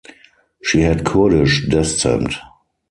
She had Kurdish descent.